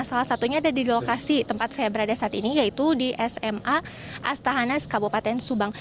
salah satunya ada di lokasi tempat saya berada saat ini yaitu di sma astahanas kabupaten subang